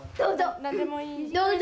どうぞ！